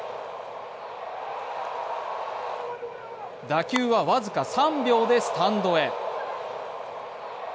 打球は僅か３秒でスタンドへ。